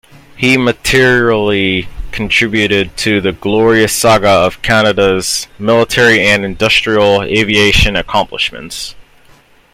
He materially contributed to the glorious saga of Canada's military and industrial aviation accomplishments.